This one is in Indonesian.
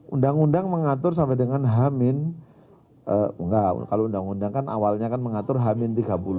undang undang mengatur sampai dengan hamin enggak kalau undang undang kan awalnya kan mengatur hamin tiga puluh